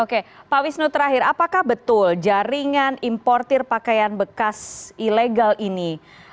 oke pak wisnu terakhir apakah betul jaringan importer pakaian bekas ilegal ini